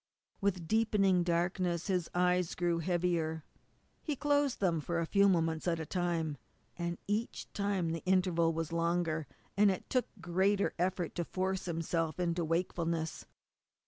With deepening darkness, his eyes grew heavier. He closed them for a few moments at a time; and each time the interval was longer, and it took greater effort to force himself into wakefulness.